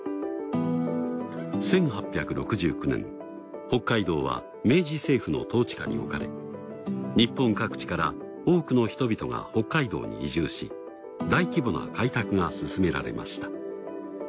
１８６９年北海道は明治政府の統治下に置かれ日本各地から多くの人々が北海道に移住し大規模な開拓が進められました。